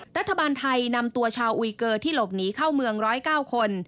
รัฐบาลไทยนำตัวชาวอุยเกอร์ที่หลบหนีเข้าเมือง๑๐๙คน